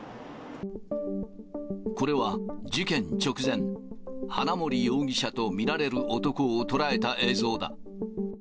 これは事件直前、花森容疑者と見られる男を捉えた映像だ。